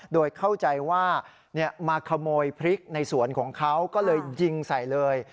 โดยเข้าใจว่ามาขโมยพริกในสวนของเขาก็เลยยิงใส่เลย